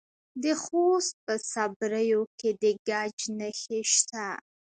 د خوست په صبریو کې د ګچ نښې شته.